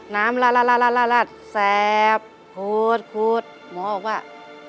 น้ำละละละละแซ่บพูดพูดหมอออกว่า